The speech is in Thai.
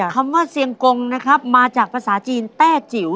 คำว่าเซียงกงนะครับมาจากภาษาจีนแต้จิ๋ว